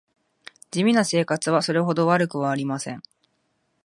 地味な生活はそれほど悪くはありません